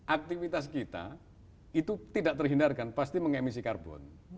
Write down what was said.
aktivitas kita itu tidak terhindarkan pasti mengemisi karbon